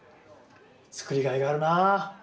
作りがいがあるな。